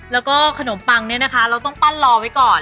แล้วก็ขนมปังเนี่ยนะคะเราต้องปั้นรอไว้ก่อน